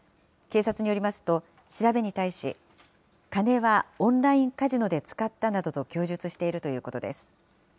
警察によりますと、調べに対し、金はオンラインカジノで使ったなどと供述しているということです。